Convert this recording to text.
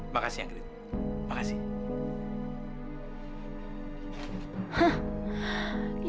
makasih anggrit makasih